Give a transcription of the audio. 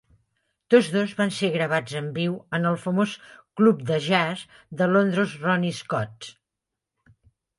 Tots dos van ser gravats en viu en el famós club de jazz de Londres Ronnie Scott's.